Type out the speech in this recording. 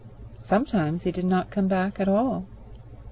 Sometimes he did not come back at all.